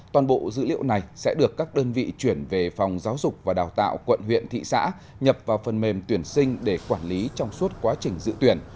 toàn bộ dữ liệu này sẽ được các đơn vị chuyển về phòng giáo dục và đào tạo quận huyện thị xã nhập vào phần mềm tuyển sinh để quản lý trong suốt quá trình dự tuyển